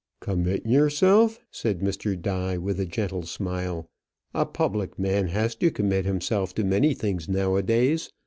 "Commit yourself!" said Mr. Die, with a gentle smile. "A public man has to commit himself to many things nowadays.